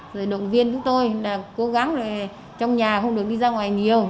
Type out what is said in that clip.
rồi động viên chúng tôi là cố gắng là trong nhà không được đi ra ngoài nhiều